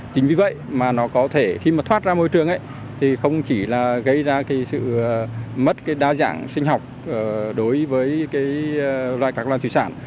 chính vì vậy mà nó có thể khi mà thoát ra môi trường thì không chỉ là gây ra cái sự mất cái đa dạng sinh học đối với loài các loài thủy sản